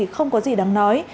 không có gì đáng nói